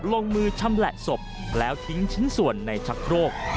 ลงมือชำแหละศพแล้วทิ้งชิ้นส่วนในชักโครก